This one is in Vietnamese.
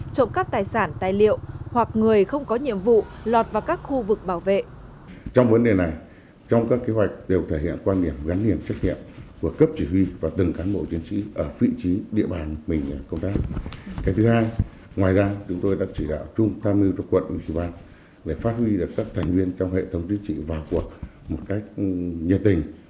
trộm các tài sản tài liệu hoặc người không có nhiệm vụ lọt vào các khu vực bảo vệ